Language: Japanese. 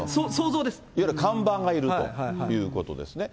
いわゆる看板がいるということですね。